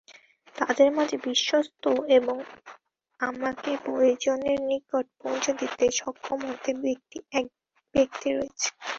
তাদের মাঝে বিশ্বস্ত এবং আমাকে পরিজনের নিকট পৌঁছে দিতে সক্ষম এক ব্যক্তি রয়েছে।